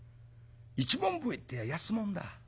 一文笛っていやぁ安物だ。